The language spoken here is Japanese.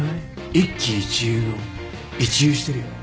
一喜一憂の一憂してるよね？